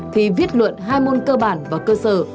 thì viết luận hai môn cơ bản và cơ sở